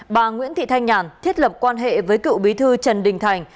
bà nguyễn thị thanh nhàn thiết lập quan hệ với cựu bí thư trần đình thành